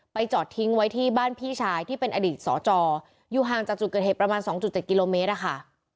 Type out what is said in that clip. จอดทิ้งไว้ที่บ้านพี่ชายที่เป็นอดีตสจอยู่ห่างจากจุดเกิดเหตุประมาณ๒๗กิโลเมตรอะค่ะ